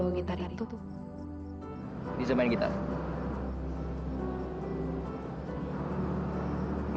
gue takut sampai ada apa apa